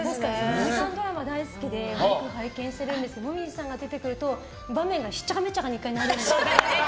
２時間ドラマ大好きでよく拝見してるんですけど紅葉さんが出てくると、場面がしっちゃかめっちゃかに１回なるんですよね。